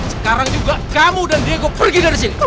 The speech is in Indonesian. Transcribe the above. sekarang juga kamu dan diego pergi dari sini